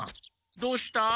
どうした？